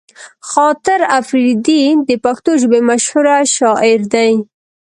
خاطر اپريدی د پښتو ژبې مشهوره شاعر دی